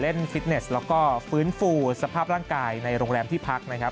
ฟิตเนสแล้วก็ฟื้นฟูสภาพร่างกายในโรงแรมที่พักนะครับ